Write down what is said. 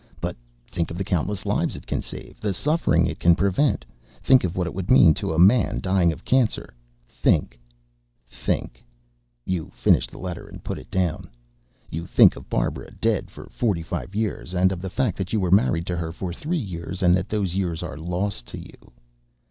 But think of the countless lives it can save, the suffering it can prevent. Think of what it would mean to a man dying of cancer. Think ..."Think. You finish the letter and put it down. You think of Barbara dead for forty five years. And of the fact that you were married to her for three years and that those years are lost to you.